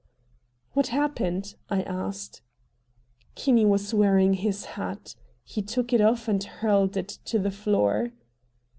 "What happened?" I asked. Kinney was wearing his hat. He took it off and hurled it to the floor.